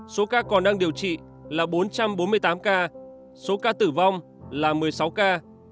số ca còn đang điều trị là bốn trăm bốn mươi tám ca số ca tử vong là một mươi sáu ca